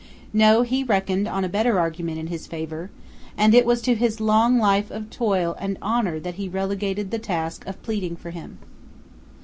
No; he reckoned on a better argument in his favor, and it was to his long life of toil and honor that he relegated the task of pleading for him.